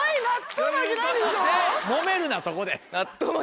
もめるなそこで。